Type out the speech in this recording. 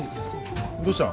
どうしたの？